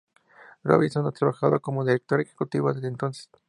Robinson ha trabajado como Directora Ejecutiva desde entonces.